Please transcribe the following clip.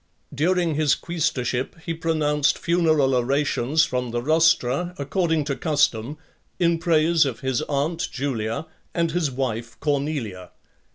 VI. During his quaestorship he pronounced funeral orations from the rostra, according to custom, in praise of his aunt (5) Julia, and his wife Cornelia.